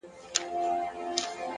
مثبت فکر د هیلو تخم کرل دي.!